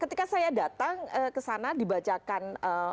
ketika saya datang ke sana dibacakan